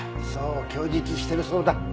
そう供述してるそうだ。